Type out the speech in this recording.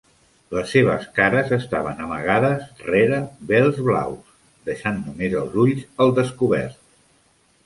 Les seves cares estaven amagades rere vels blaus, deixant només els ulls al descobert.